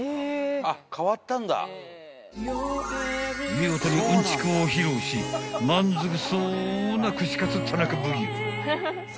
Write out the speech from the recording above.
［見事にうんちくを披露し満足そうな串カツ田中奉行］